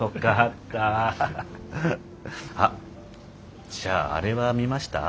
あっじゃああれは見ました？